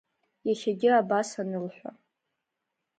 Иахьагьы абас анылҳәа!